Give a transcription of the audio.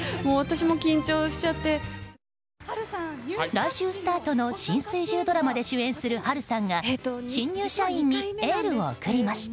来週スタートの新水１０ドラマで主演する波瑠さんが新入社員にエールを送りました。